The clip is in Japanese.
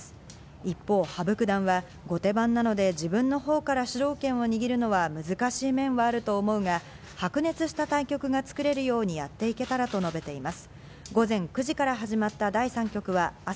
一方、羽生九段は後手番なので自分の方から主導権を握るのは難しい面はあると思うが白熱した対局がつくれるようにやっていけたらと述べています。